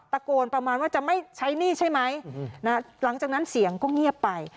ประมาณว่าจะไม่ใช้หนี้ใช่ไหมหลังจากนั้นเสียงก็เงียบไป